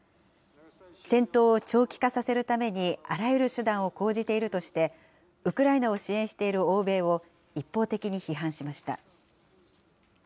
戦闘を長期化させるためにあらゆる手段を講じているとして、ウクライナを支援している欧米を一方的に批判しました。